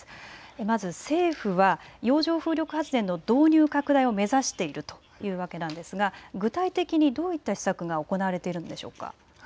まず政府は洋上風力発電の導入拡大を目指しているというわけですが具体的にどういった施策が行われているのでしょうか。